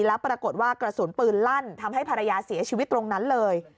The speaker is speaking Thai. แล้วปรากฏว่ากระสุนปืนลั่นทำให้ภรรยาเสียชีวิตตรงนั้นเลย